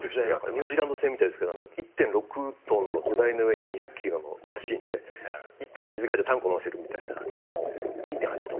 ニュージーランド製みたいですけど１．６トンの土台の上に２００キロのマシンで１トンの水が入ったタンクを載せるみたいな２．８トン。